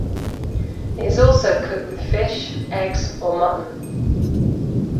It is also cooked with fish, eggs or mutton.